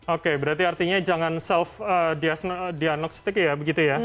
oke berarti artinya jangan self diagnostik ya begitu ya